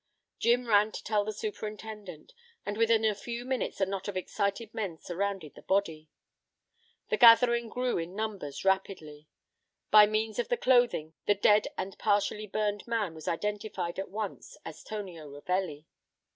Jim ran to tell the superintendent, and within a few minutes a knot of excited men surrounded the body. The gathering grew in numbers rapidly. By means of the clothing the dead and partially burned man was identified at once as Tonio Ravelli.